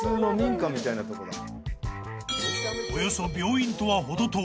［およそ］